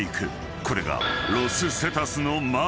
［これが］